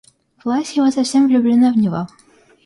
Власьева совсем влюблена в него.